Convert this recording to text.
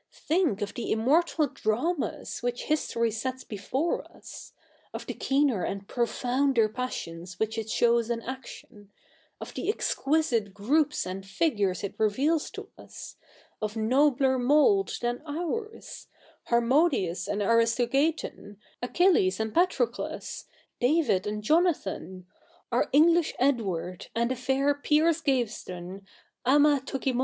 Think of the immortal dramas which history sets before us ; of the keener and profounder passions which it shows in action, of the exquisite groups and figures it CH. ii] THE NEW REPUBLIC 135 reveals to us, of nobler mould than ours — Harmodius ' and Aristogeiton, Achilles and Patroclus, David and Jonathan, our English Edward and the fair Piers Gaveston d/xa r wKv/j.